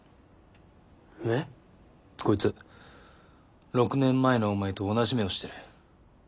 こいつ６年前のお前と同じ目をしてる。